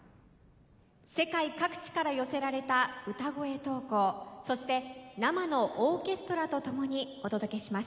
世界各地から寄せられた歌声投稿そして生のオーケストラと共にお届けします。